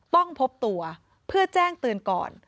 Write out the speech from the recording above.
ต้องพบตัวเพื่อแจ้งเตือนก่อน